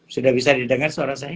sudah bisa didengar suara saya